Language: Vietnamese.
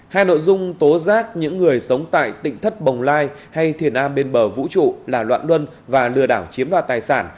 hai nội dung tố giác những người sống tại tỉnh thất bồng lai hay thiền an bên bờ vũ trụ là loạn luân và lừa đảo chiếm đoạt tài sản